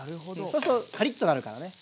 そうするとカリッとなるからね。